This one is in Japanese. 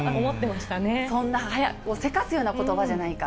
そんなせかすようなことばじゃないか。